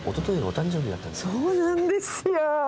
そうなんですよ。